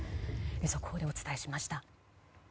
速報でお伝えしました。